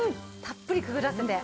たっぷりくぐらせて。